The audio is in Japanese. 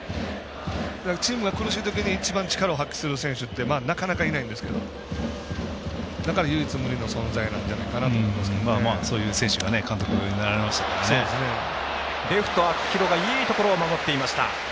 チームが苦しいときに一番力を発揮する選手ってなかなか、いないんですけどだから、唯一無二の存在かなとそういう選手がレフト、秋広がいいところを守っていました。